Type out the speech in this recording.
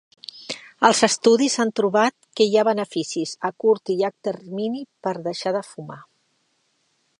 Els estudis han trobat que hi ha beneficis a curt i llarg termini per deixar de fumar.